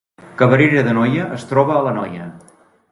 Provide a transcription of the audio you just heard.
Cabrera d’Anoia es troba a l’Anoia